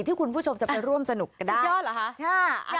ที่คุณผู้ชมจะไปร่วมสนุกกันสุดยอดเหรอคะ